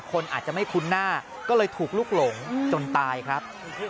คนอาจจะไม่คุ้นหน้าก็เลยถูกลุกหลงจนตายครับ